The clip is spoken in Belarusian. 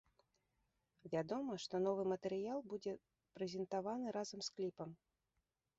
Вядома, што новы матэрыял будзе прэзентаваны разам з кліпам.